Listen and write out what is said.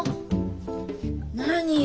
何よ？